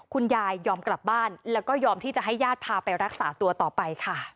คุณยายยอมกลับบ้านแล้วก็ยอมที่จะให้ญาติพาไปรักษาตัวต่อไปค่ะ